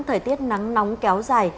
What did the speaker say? thời tiết nắng nóng kéo dài